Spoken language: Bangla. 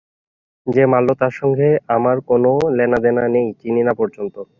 যে মারল তার সঙ্গে আমার কোনো লেনাদেনা নেই, চিনি না পর্যন্ত।